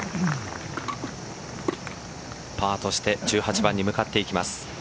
パーとして１８番に向かっていきます。